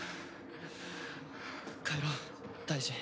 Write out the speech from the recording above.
帰ろう大二。